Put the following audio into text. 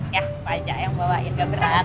ya aku aja yang bawain gak berat